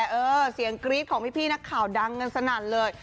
เออเสียงกรี๊ดของพี่นักข่าวดังกันสนั่นเลย